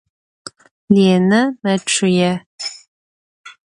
Lêne meççıê.